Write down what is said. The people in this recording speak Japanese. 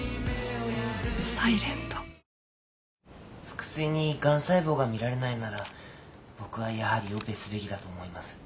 腹水にガン細胞が見られないんなら僕はやはりオペすべきだと思います。